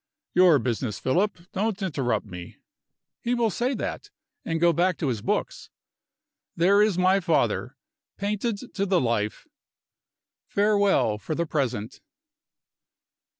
"Your business, Philip: don't interrupt me." He will say that, and go back to his books. There is my father, painted to the life! Farewell, for the present.